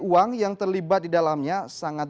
uang yang terlibat di dalamnya sangat